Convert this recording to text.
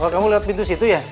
kamu lihat pintu situ ya